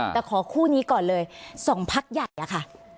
แต่ขอคู่นี้ก่อนเลย๒พักใหญ่อะค่ะ